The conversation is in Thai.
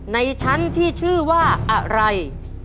ในชั้นที่ชื่อว่าอะไร